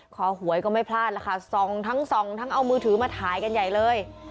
ขอหวยก็ไม่พลาดทั้งซองทั้งเอามือถือมาท้ายกันใหญ่เลย